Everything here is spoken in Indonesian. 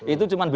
itu cuma berarti